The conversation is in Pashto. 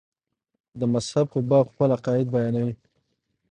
د مذهب په باب خپل عقاید بیانوي.